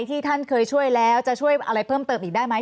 ที่ท่านเคยช่วยแล้วจะช่วยอะไรเพิ่มเติมอีกได้ไหม